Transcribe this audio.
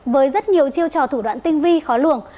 với rất nhiều chiêu trò thủ đoạn tinh vi khó lường